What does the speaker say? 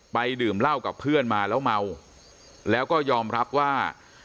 ดื่มเหล้ากับเพื่อนมาแล้วเมาแล้วก็ยอมรับว่า